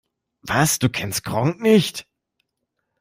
Was, du kennst Gronkh nicht?